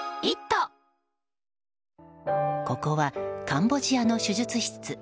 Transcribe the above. ここは、カンボジアの手術室。